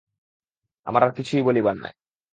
আমার আর কিছুই বলিবার নাই।